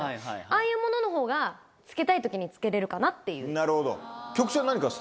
ああいう物のほうがつけたい時につけれるかなっていう。